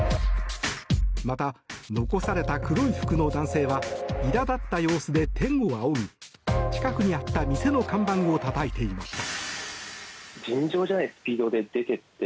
また、残された黒い服の男性はいら立った様子で天を仰ぎ近くにあった店の看板をたたいていました。